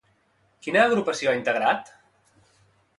Quina agrupació ha integrat?